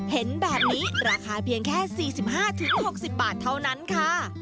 เห็นแบบนี้ราคาเพียงแค่สี่สิบห้าถึงหกสิบบาทเท่านั้นค่ะ